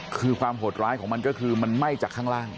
คือความโหดร้ายของมันก็คือมันไหม้จากข้างล่าง